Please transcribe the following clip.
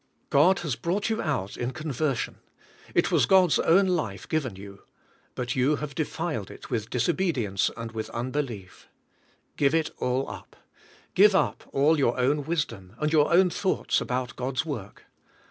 God has brought you out in conversion ; it vpas God's own life given you: but you have defiled it with disobedience and with unbelief. Give it all up. Give up all your ov;n wisdom, and your own thoughts about God's work.